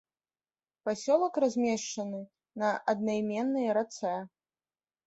Пасёлак размешчаны на аднайменнай рацэ.